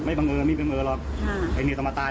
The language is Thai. บังเอิญไม่บังเอิญหรอกไอ้เมียต้องมาตาย